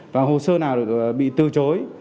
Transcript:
và hồ sơ nào bị từ chối